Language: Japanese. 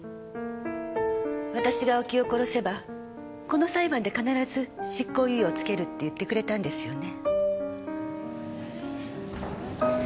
私が青木を殺せばこの裁判で必ず執行猶予をつけるって言ってくれたんですよね。